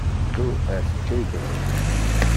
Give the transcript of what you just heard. Tu es pigre!